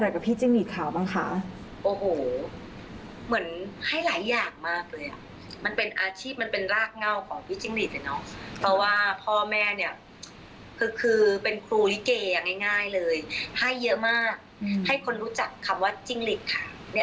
คือเป็นครูริเกย์อย่างง่ายเลยให้เยอะมากให้คนรู้จักคำว่าจิ้งหลีกค่ะ